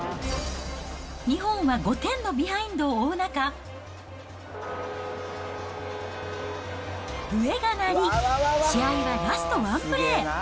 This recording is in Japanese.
日本は５点のビハインドを追う中、笛が鳴り、試合はラストワンプレー。